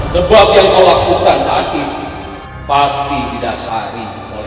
sebab yang kau lakukan saat ini pasti tidak sehari